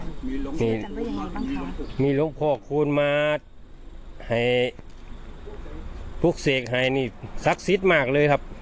เชื่อกันว่าอย่างไรบ้างคะมีลูกพ่อคุณมาให้พวกเสกให้นี่ศักดิ์สิทธิ์มากเลยครับ